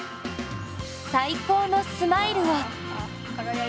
最高のスマイルを。